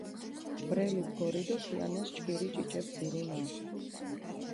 ბრელი ბგორი დო ქიჸანას ჯგირი ჭიჭე ბძირი მა!